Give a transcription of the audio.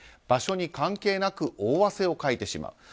場所に関係なく大汗をかいてしまう。